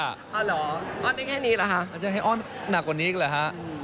อ้าวจะให้อ้อนหนักกว่านี้เหรอฮะ